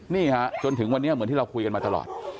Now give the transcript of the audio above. นี่ฮะจนถึงวันนี้เหมือนที่เราคุยกันมาตลอด